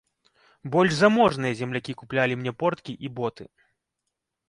Больш заможныя землякі куплялі мне порткі і боты.